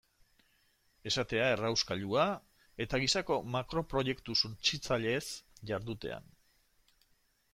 Esatea errauskailua eta gisako makroproiektu suntsitzaileez jardutean.